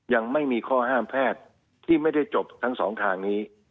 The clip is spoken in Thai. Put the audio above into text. ยังไม่มีข้อห้ามแพทย์ที่ไม่ได้จบทั้งสองทางนี้